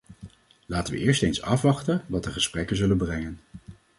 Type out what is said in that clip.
Laten we eerst eens afwachten wat de gesprekken zullen brengen.